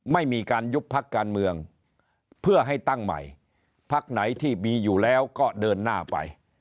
ไม่มีการยุบพักการเมืองเพื่อให้ตั้งใหม่พักไหนที่มีอยู่แล้วก็เดินหน้าไป